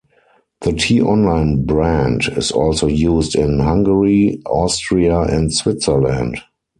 The T-Online brand is also used in Hungary, Austria and Switzerland.